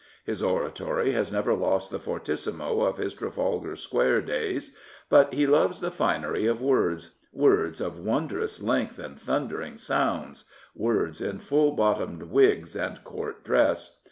His oratory has never lost the forjissimo of his Trafalgar Square days, but he loves the finery of words — words of " wondrous length and thundering sound,'* words in full bottomed wigs and court dress.